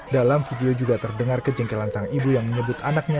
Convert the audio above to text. dalam video juga terdengar kejengkelan sang ibu yang menyebut anaknya